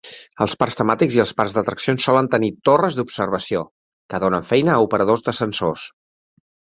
Els parcs temàtics i els parcs d'atraccions solen tenir torres d'observació, que donen feina a operadors d'ascensors.